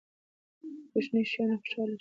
په کوچنیو شیانو خوشحاله شئ.